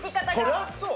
そりゃそう！